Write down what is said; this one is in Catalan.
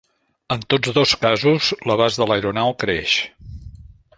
En tots dos casos, l'abast de l'aeronau creix.